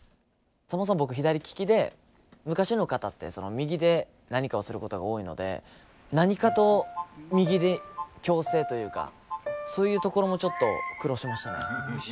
そもそも僕左利きで昔の方って右で何かをすることが多いので何かと右に矯正というかそういうところもちょっと苦労しましたね。